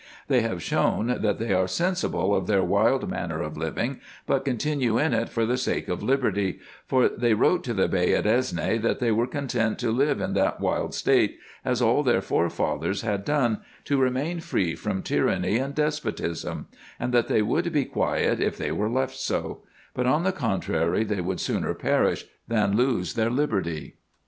They have shown, that they are sensible of their wild manner of living, but continue in it for the sake of liberty ; for they wrote to the Bey at Esne, that they were content to live in that wild state, as all their forefathers had done, to remain free from tyranny and despotism ; and that they would be quiet, if they were left so ; but on the contrary, they would sooner perish than lose their liberty.